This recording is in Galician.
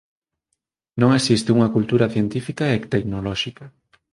Non existe unha cultura científica e tecnolóxica.